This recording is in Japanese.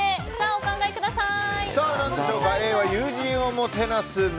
お考えください。